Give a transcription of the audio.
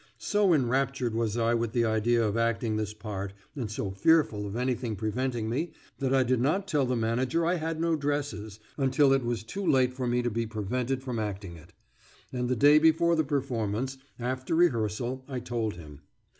So enraptured was I with the idea of acting this part, and so fearful of anything preventing me, that I did not tell the manager I had no dresses, until it was too late for me to be prevented from acting it; and the day before the performance, after rehearsal, I told him.